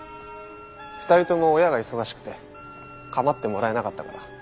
２人とも親が忙しくて構ってもらえなかったから。